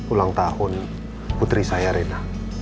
ulang tahun putri saya reda